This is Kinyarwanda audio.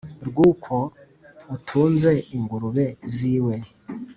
Rw'ukwo utunze ingurube z'iwe,